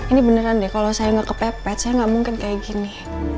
ini beneran deh kalau saya nggak kepepet saya nggak mungkin kayak gini